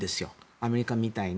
アメリカみたいに。